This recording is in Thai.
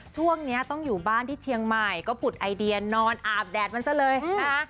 ช่วงนี้ต้องอยู่บ้านที่เชียงใหม่ก็ผุดไอเดียนอนอาบแดดมันซะเลยนะคะ